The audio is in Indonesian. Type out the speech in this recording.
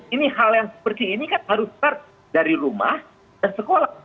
ini hal yang seperti ini kan harus start dari rumah dan sekolah